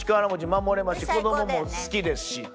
守れますし子どもも好きですし。